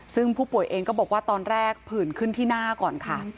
ซึ่งผู้ป่วยเองก็บอกว่าตอนแรกผื่นขึ้นที่หน้าก่อนค่ะ